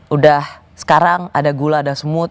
udah sekarang ada gula ada smooth